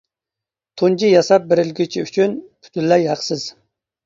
تۇنجى ياساپ بېرىلگۈچى ئۈچۈن پۈتۈنلەي ھەقسىز.